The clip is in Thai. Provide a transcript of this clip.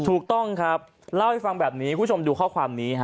ถูกต้องครับเล่าให้ฟังแบบนี้คุณผู้ชมดูข้อความนี้ฮะ